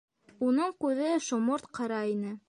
Уның күҙе шоморт ҡара ине.